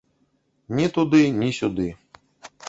Ні туды, ні сюды.